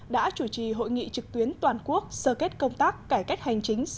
đã chủ trì hội nghị trực tuyến toàn quốc sơ kết công tác cải cách hành chính